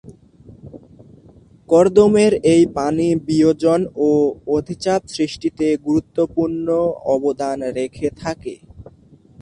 কর্দমের এই পানি বিয়োজনও অধিচাপ সৃষ্টিতে গুরুত্বপূর্ণ অবদান রেখে থাকে।